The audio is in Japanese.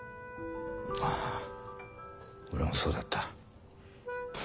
あぁ俺もそうだった。